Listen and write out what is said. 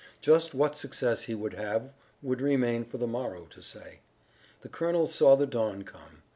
Just what success he would have would remain for the morrow to say. The colonel saw the dawn come.